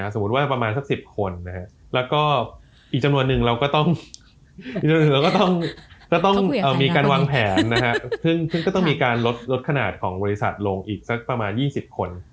สมมุติว่าประมาณสัก๑๐คนแล้วก็อีกจำนวนหนึ่งเราก็ต้องมีการวางแผนซึ่งก็ต้องมีการลดขนาดของบริษัทลงอีกสักประมาณ๒๐คน